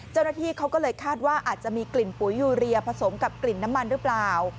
เจ้าหน้าที่เขาก็เลยคาดว่าอาจจะมีกลิ่นปุ๋ยยูเรียผสมกับกลิ่นน้ำมันหรือเปล่า